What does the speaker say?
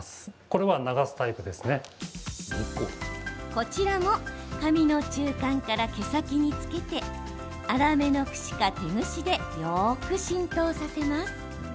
こちらも髪の中間から毛先につけて粗めのくしか、手ぐしでよく浸透させます。